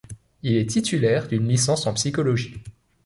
Il est titulaire d'une licence en psychologie.